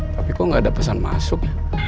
tapi kok nggak ada pesan masuk